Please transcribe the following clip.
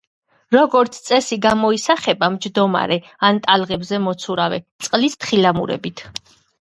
როგორც წესი, გამოისახება მჯდომარე ან ტალღებზე მოცურავე, წყლის თხილამურებით.